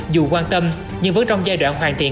dù quan tâm nhưng vẫn trong giai đoạn hoàn thiện